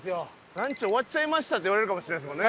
「ランチ終わっちゃいました」って言われるかもしれないですもんね。